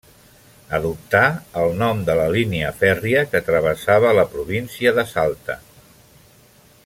Adoptà el nom de la línia fèrria que travessava la província de Salta.